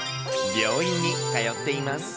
病院に通っています。